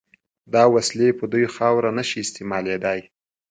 دا وسلې په دوی خاوره نشي استعمالېدای.